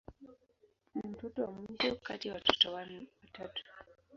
Ni mtoto wa mwisho kati ya watoto watatu.